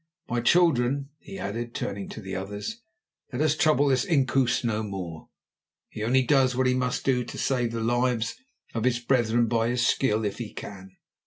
My children," he added, turning to the others, "let us trouble this Inkoos no more. He only does what he must do to save the lives of his brethren by his skill, if he can.